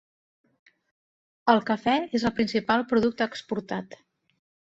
El cafè és el principal producte exportat.